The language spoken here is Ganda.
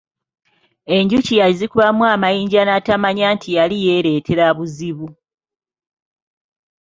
Enjuki yazikubamu amayinja n’atamanya nti yali yeereetera buzibu.